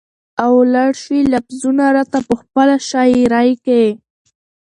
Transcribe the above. او لړ شوي لفظونه راته په خپله شاعرۍ کې